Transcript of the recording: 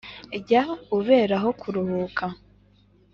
Jya uberaho kuruhuka.